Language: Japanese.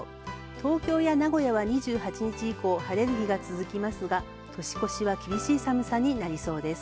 東京や名古屋は２８日以降、晴れる日が続きますが年越しは厳しい寒さになりそうです。